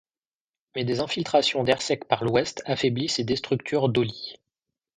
Mais des infiltrations d'air sec par l'Ouest affaiblissent et déstructurent Dolly.